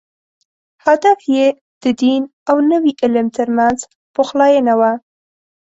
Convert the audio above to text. هدف یې د دین او نوي علم تر منځ پخلاینه وه.